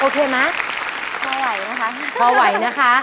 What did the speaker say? โอเคมั้ยพอไหวนะคะพอไหวนะคะ